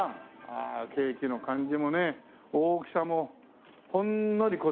ああケーキの感じもね大きさもほんのり小粒で。